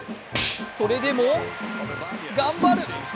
それでも頑張る。